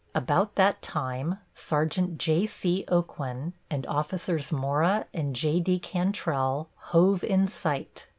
About that time Sergeant J.C. Aucoin and Officers Mora and J.D. Cantrell hove in sight.